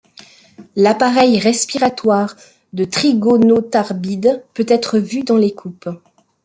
L'appareil respiratoire de trigonotarbides peut être vu dans les coupes.